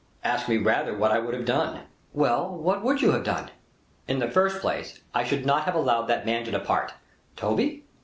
"Ask me rather what I would have done?" "Well! what would you have done?" "In the first place, I should not have allowed that man to depart." "Toby?"